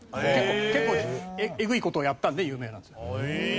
結構えぐい事をやったので有名なんですよ。